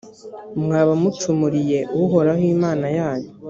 mwaba mucumuriye uhoraho imana yanyu.